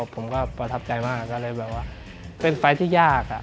ผมก็ประทับใจมากเป็นสไฟล์ที่ยาก